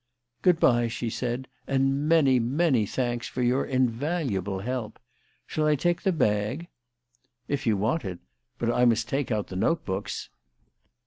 "Good bye," she said; "and many, many thanks for your invaluable help. Shall I take the bag?" "If you want it. But I must take out the note books."